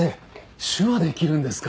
手話できるんですか？